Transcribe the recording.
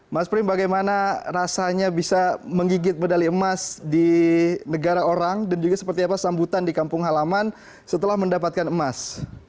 mas prim bagaimana rasanya bisa menggigit medali emas di negara orang dan juga seperti apa sambutan di kampung halaman setelah mendapatkan emas